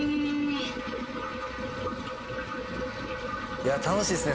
いや楽しいですね